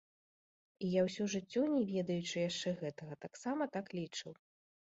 І я ўсё жыццё, не ведаючы яшчэ гэтага, таксама так лічыў.